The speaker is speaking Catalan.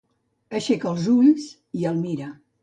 Aixeca els ulls i el mira.